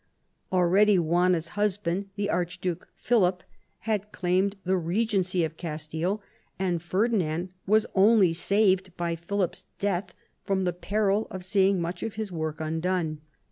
Already Juana's husband, the Arch duke Philip, had claimed the regency of Castile, and Ferdinand was only saved by Philip's death from the peril of seeing much of his work undone.